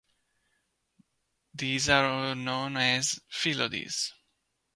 These are known as "phyllodes".